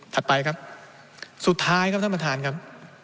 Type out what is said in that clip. ไปครับสุดท้ายครับท่านประธานครับ